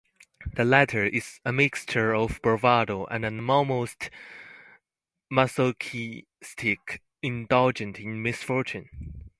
The letter is a mixture of bravado and an almost masochistic indulgence in misfortune.